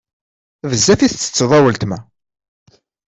Bezzaf i ttetteḍ a wletma.